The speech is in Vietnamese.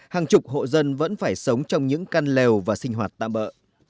hàng chục hộ dân vẫn phải sống trong những căn lèo và sinh hoạt tạm bỡ